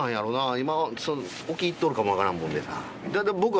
今沖行っとるかも分からんもんでな。